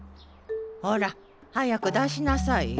ほら早く出しなさいよ。